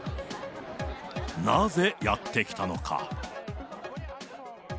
なぜやって来たのか。